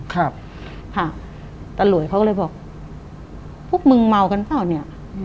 ครับค่ะตำรวจเขาก็เลยบอกพวกมึงเมากันเปล่าเนี่ย